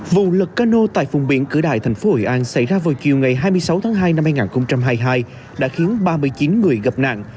vụ lật cano tại vùng biển cửa đại tp hội an xảy ra vào chiều ngày hai mươi sáu tháng hai năm hai nghìn hai mươi hai đã khiến ba mươi chín người gặp nạn